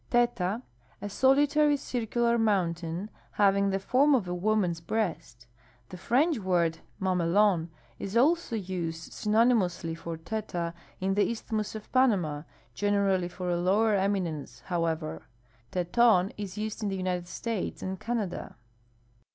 'J'eta. — A solitary, circular mountain having the form of a woman's breast. The French word mnnuion is also used synonymously for tela in TOPOGRAPHIC TERMS OF SPAXl)iH AMERICA 2!t J the ifitlimus of Panama, generally for a lower eminence, however. Teton is used in the United States and Canada.